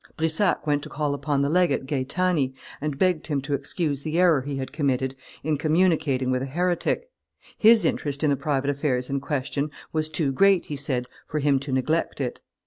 Brissac went to call upon the legate Gaetani, and begged him to excuse the error he had committed in communicating with a heretic; his interest in the private affairs in question was too great, he said, for him to neglect it.